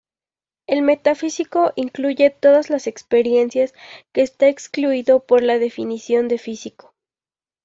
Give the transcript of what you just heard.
El metafísico incluye todas las experiencias que está excluido por la definición de físico.